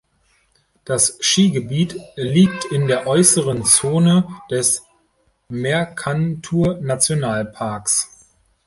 Das Skigebiet liegt in der äußeren Zone des Mercantour-Nationalparks.